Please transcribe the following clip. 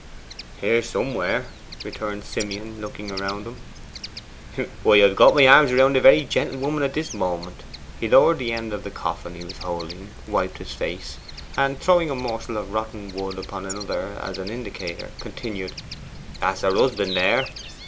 'Here somewhere,' returned Simeon, looking round him. 'Why, I've got my arms round the very gentlewoman at this moment.' He lowered the end of the coffin he was holding, wiped his face, and throwing a morsel of rotten wood upon another as an indicator, continued: 'That's her husband there.